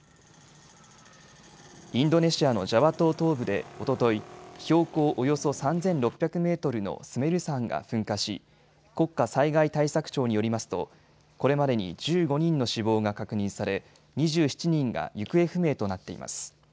インドネシアのジャワ島東部でおととい、標高およそ３６００メートルのスメル山が噴火し国家災害対策庁によりますとこれまでに１５人の死亡が確認され、２７人が行方不明となっています。